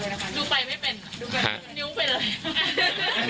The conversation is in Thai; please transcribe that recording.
ดูไปไม่เป็นดูไปนิ้วเป็นเลย